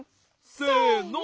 せの。